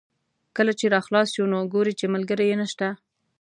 کله چې را خلاص شو نو ګوري چې ملګری یې نشته.